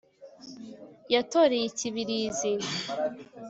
yatoreye i kibirizi